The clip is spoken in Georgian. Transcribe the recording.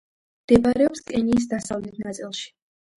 მდებარეობს კენიის დასავლეთ ნაწილში.